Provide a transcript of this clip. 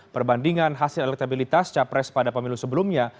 perbandingan hasil elektabilitas capres pada pemilu sebelumnya